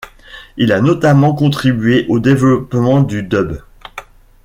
Il a notamment contribué au développement du dub.